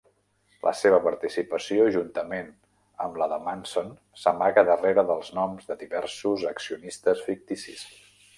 La seva participació juntament amb la de Manson s'amaga darrere dels noms de diversos accionistes ficticis.